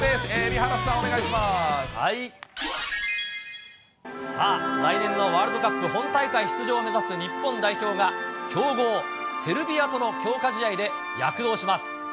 蛯原さんさあ来年のワールドカップ本大会出場を目指す日本代表が、強豪、セルビアとの強化試合で躍動します。